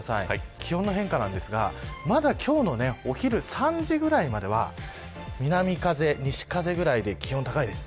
気温の変化なんですがまだ今日のお昼３時ぐらいまでは南風、西風ぐらいで気温高いです。